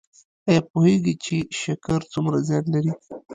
ایا پوهیږئ چې شکر څومره زیان لري؟